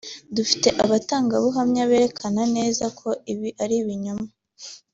« Dufite abatangabuhamya berekana neza ko ibi ari ibinyoma